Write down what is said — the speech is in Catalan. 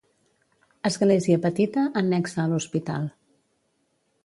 Església petita annexa a l'hospital.